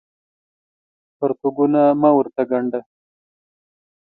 پرتوګونه مه ورته ګاڼډه